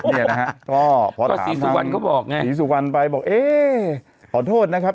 โอ้โหเนี่ยนะฮะก็พอถามสีสุวรรณก็บอกไงสีสุวรรณไปบอกเอ๊ขอโทษนะครับ